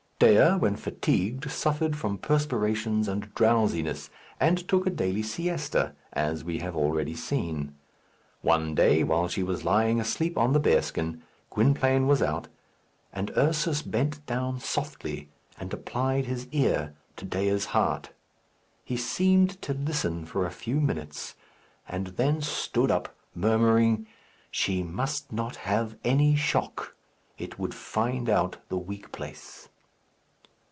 Dea, when fatigued, suffered from perspirations and drowsiness, and took a daily siesta, as we have already seen. One day, while she was lying asleep on the bearskin, Gwynplaine was out, and Ursus bent down softly and applied his ear to Dea's heart. He seemed to listen for a few minutes, and then stood up, murmuring, "She must not have any shock. It would find out the weak place."